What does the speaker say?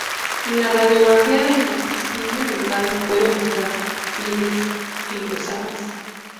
La radiografía del intestino delgado puede mostrar pliegues engrosadas.